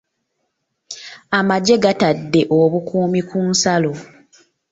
Amagye gatadde obukuumi ku nsalo.